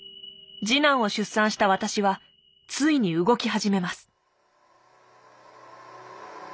次男を出産した私はついに動き始めます。